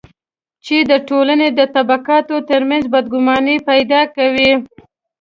چې د ټولنې د طبقاتو ترمنځ بدګماني پیدا کوي.